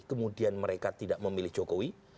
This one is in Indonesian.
kemudian mereka tidak memilih jokowi